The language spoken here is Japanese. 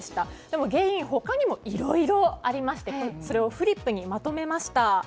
でも原因は他にもいろいろありましてそれをフリップにまとめました。